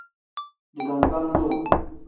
Digangam-duu.